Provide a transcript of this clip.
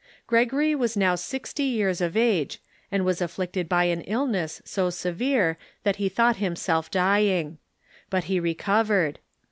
Gregory was now sixty years of age, and was afflicted by an illness so severe that he thought himself dj'ing. But he recovered.